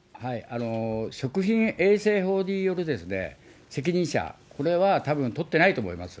食品衛生法による責任者、これはたぶん取ってないと思います。